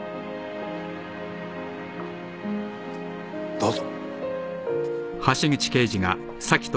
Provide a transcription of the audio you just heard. どうぞ。